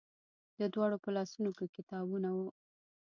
د دواړو په لاسونو کې کتابونه وو.